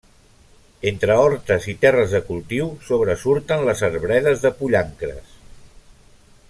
Entre hortes i terres de cultiu, sobresurten les arbredes de pollancres.